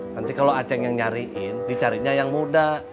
nanti kalau aceh yang nyariin dicarinya yang muda